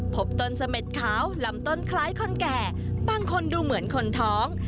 พบต้นเสม็ดขาวลำต้นคล้ายคนแก่บางคนดูเหมือนคนท้อง